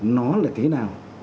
nó là thế nào